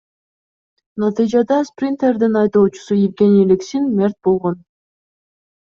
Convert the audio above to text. Натыйжада Спринтердин айдоочусу Евгений Лексин мерт болгон.